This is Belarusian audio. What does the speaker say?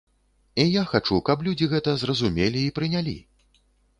І я хачу, каб людзі гэта зразумелі і прынялі.